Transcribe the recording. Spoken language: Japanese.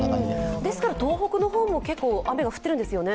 ですから東北の方でも結構雨が降っているんですよね。